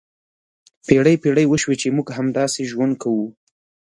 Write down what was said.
پېړۍ پېړۍ وشوې چې موږ همداسې ژوند کوو.